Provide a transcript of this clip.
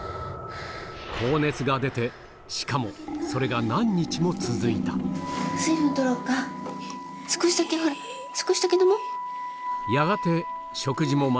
高熱が出てしかもそれが何日も続いた少しだけほら少しだけ飲もう？